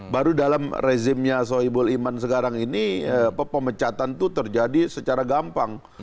baru dalam rezimnya soebul iman sekarang ini pemecatan itu terjadi secara gampang